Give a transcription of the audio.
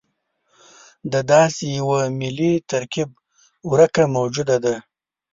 د داسې یوه ملي ترکیب ورکه موجوده ده.